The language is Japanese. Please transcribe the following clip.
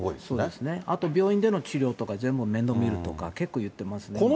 そうですね、あと病院での治療とか全部面倒見るとか、結構言ってますね。